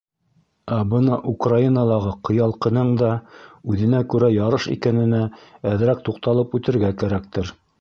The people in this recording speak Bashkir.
Ә бына Украиналағы ҡыялҡының да үҙенә күрә ярыш икәненә әҙерәк туҡталып үтергә кәрәктер.